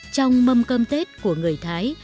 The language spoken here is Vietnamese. trong mâm cơm tết của người thái